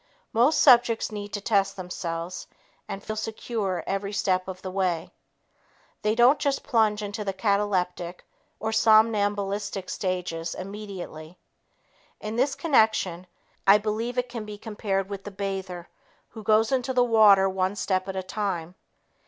Most subjects need to test themselves and feel secure every step of the way. They don't just plunge into the cataleptic or somnambulistic stages immediately. In this connection, I believe it can be compared with the bather who goes into the water one step at a time.